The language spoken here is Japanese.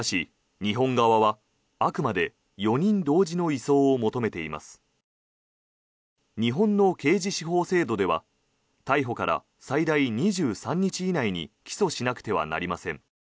日本の刑事司法制度では逮捕から最大２３日以内に起訴しなくてはなりません。